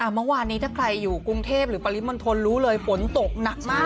เมื่อวานนี้ถ้าใครอยู่กรุงเทพหรือปริมณฑลรู้เลยฝนตกหนักมาก